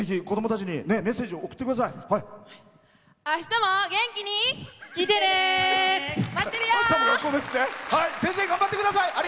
子どもたちにメッセージを送ってください。来てね！